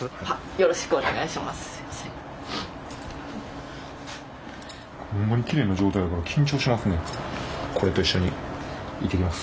よろしくお願いします。